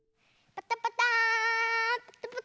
パタパター！